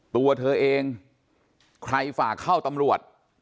ตัวเธอเองใครฝากเข้าตำรวจ